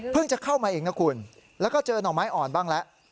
จะเข้ามาเองนะคุณแล้วก็เจอหน่อไม้อ่อนบ้างแล้ว